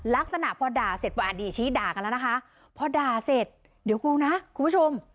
ลักษณะพอด่าเสร็จว่าอันนี้ชี้ด่ากันแล้วนะคะพอด่าเสร็จเดี๋ยวกูนะคุณผู้ชม